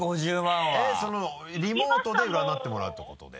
リモートで占ってもらうってことで？